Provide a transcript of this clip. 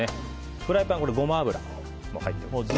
フライパンにゴマ油がもう入ってますね。